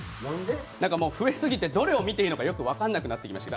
なんか増えすぎてどれを見ればいいかよく分からなくなってきましたね。